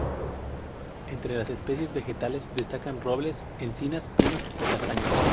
Entre las especies vegetales destacan robles, encinas, pinos y castaños.